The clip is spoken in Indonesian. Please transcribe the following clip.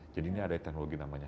ini ada teknologi namanya